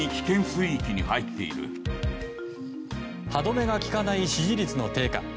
歯止めが利かない支持率の低下。